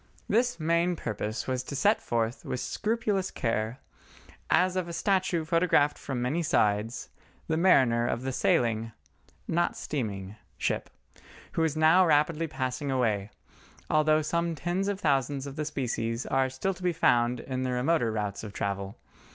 This main purpose was to set forth with scrupulous care, as of a statue photographed from many sides, the mariner of the sailing—not steaming—ship, who is now rapidly passing away, although some tens of thousands of the species are still to be found in the remoter routes of travel.